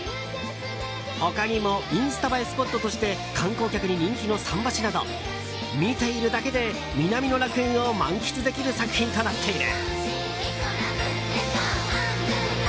他にもインスタ映えスポットとして観光客に人気の桟橋など見ているだけで、南の楽園を満喫できる作品となっている。